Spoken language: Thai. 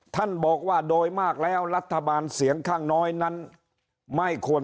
ท่านบอกว่าโดยมากแล้วรัฐบาลเสียงข้างน้อยนั้นไม่ควร